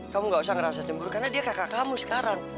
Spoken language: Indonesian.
kamu gak usah ngerasa cemburu karena dia kakak kamu sekarang